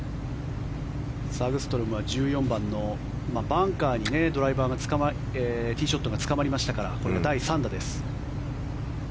サグストロムは１４番のバンカーにティーショットがつかまりましたから第３打です。